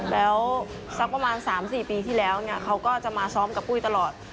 แล้วสักประมาณ๓๔ปีที่แล้วเขาก็จะมาซ้อมกับปุ้ยตลอด